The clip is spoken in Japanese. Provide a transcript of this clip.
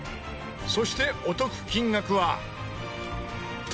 そしてお得金額は。